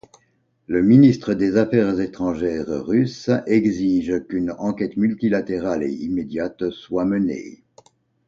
Le ministre des Affaires étrangères russe exige qu’une enquête multilatérale et immédiate soit menée.